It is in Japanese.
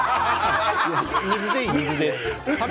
水でいい、水で。